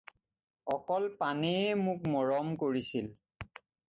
অকল পানেয়েই মোক মৰম কৰিছিল।